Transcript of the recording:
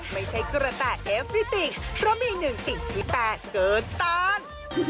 ไม่ใช่กระแสเอฟริติกเพราะมีหนึ่งสิ่งที่แปลกเกินตอน